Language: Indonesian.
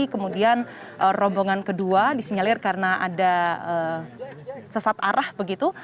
kemudian rombongan kedua disinyalir karena ada sesat arah begitu